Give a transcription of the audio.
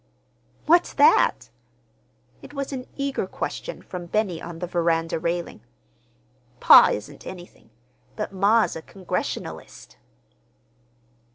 "What's that?" It was an eager question from Benny on the veranda railing. "Pa isn't anything, but ma's a Congregationalist."